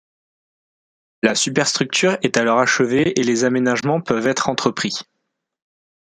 La superstructure est alors achevée et les aménagements peuvent être entrepris.